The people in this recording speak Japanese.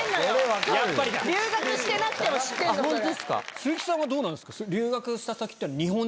鈴木さんはどうなんですか？